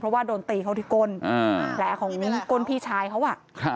เพราะว่าโดนตีเขาที่ก้นแผลของก้นพี่ชายเขา